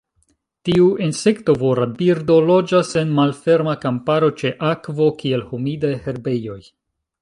Tiu insektovora birdo loĝas en malferma kamparo ĉe akvo, kiel humidaj herbejoj.